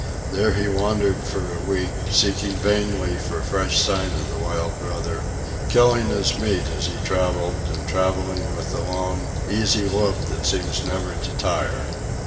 There he wandered for a week, seeking vainly for fresh sign of the wild brother, killing his meat as he travelled and travelling with the long, easy lope that seems never to tire.